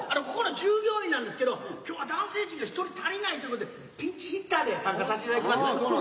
ここの従業員なんですけど今日は男性陣が１人足りないということでピンチヒッターで参加さしていただきます。